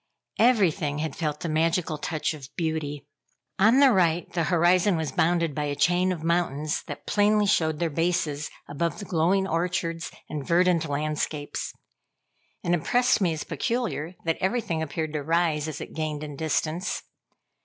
Everything had felt the magical touch of beauty. On the right, the horizon was bounded by a chain of mountains, that plainly showed their bases above the glowing orchards and verdant landscapes. It impressed me as peculiar, that everything appeared to rise as it gained in distance.